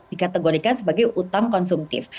dikategorikan sebagai hutang konsumtif